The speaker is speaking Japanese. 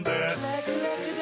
ラクラクだ！